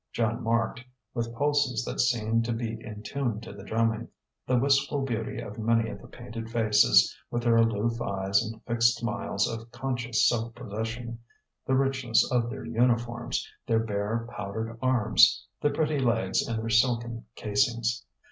Joan marked, with pulses that seemed to beat in tune to the drumming, the wistful beauty of many of the painted faces with their aloof eyes and fixed smiles of conscious self possession, the richness of their uniforms, their bare powdered arms, the pretty legs in their silken casings.